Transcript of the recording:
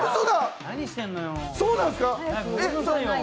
そうなんすか？